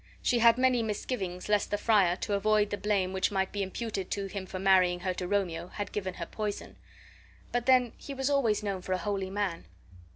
She had many misgivings lest the friar, to avoid the blame which might be imputed to him for marrying her to Romeo, had given her poison; but then he was always known for a holy man.